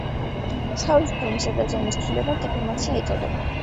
სხეულის ფორმისა და ზომის ცვლილებას დეფორმაცია ეწოდება